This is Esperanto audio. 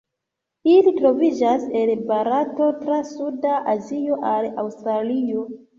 Ili troviĝas el Barato tra suda Azio al Aŭstralio.